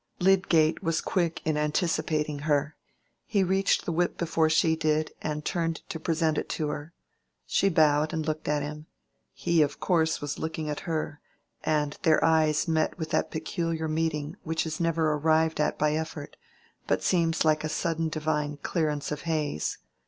Lydgate was quick in anticipating her. He reached the whip before she did, and turned to present it to her. She bowed and looked at him: he of course was looking at her, and their eyes met with that peculiar meeting which is never arrived at by effort, but seems like a sudden divine clearance of haze.